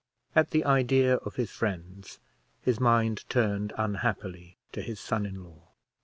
At the idea of his friends, his mind turned unhappily to his son in law.